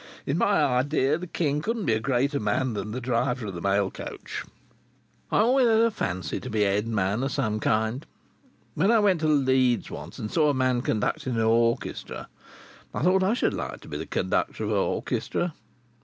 In my idea, the king couldn't be a greater man than the driver of the mail coach. I had always a fancy to be a head man of some kind. When I went to Leeds once, and saw a man conducting a orchestra, I thought I should like to be the conductor of a orchestra.